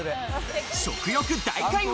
食欲大解放！